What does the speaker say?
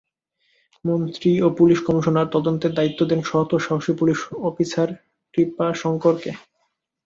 মন্ত্রী ও police commissioner তদন্তের দায়িত্ব দেন সৎ ও সাহসী পুলিশ অফিসার কৃপাশঙ্করকে।